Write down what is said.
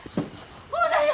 ほうだよ！